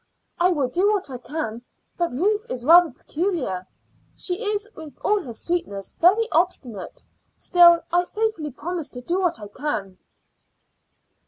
"I will do what I can. But Ruth is peculiar. She is, with all her sweetness, very obstinate. Still, I faithfully promise to do what I can."